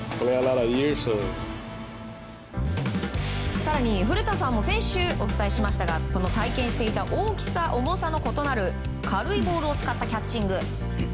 更に古田さんも先週お伝えしましたが体験した大きさ、重さの異なる軽いボールを使ったキャッチング。